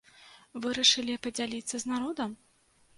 Вырашылі падзяліцца з народам?